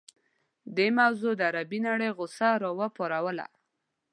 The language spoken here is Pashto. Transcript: دې موضوع د عربي نړۍ غوسه راوپاروله.